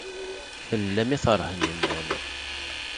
Fell-am i terhen yemma-m.